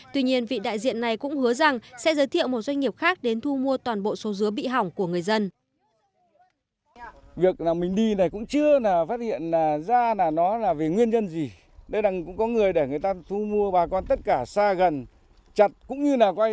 tuy nhiên vị đại diện này cũng hứa rằng sẽ giới thiệu một doanh nghiệp khác đến thu mua toàn bộ số dứa bị hỏng của người dân